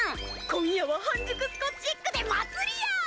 今夜は半熟スコッチエッグで祭りや！